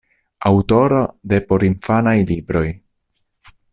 Aŭtoro de porinfanaj libroj.